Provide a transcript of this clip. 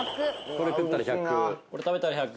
これ食ったら１００。